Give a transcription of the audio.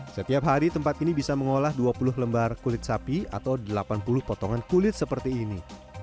setiap hari tempat ini bisa mengolah dua puluh lembar kulit sapi atau delapan puluh potongan kulit seperti ini